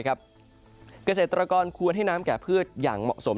เกษตรกรควรให้น้ำแก่พืชอย่างเหมาะสม